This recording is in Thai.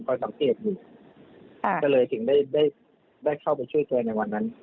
ก็เลยถึงได้เข้าไปช่วยแกในวันนั้น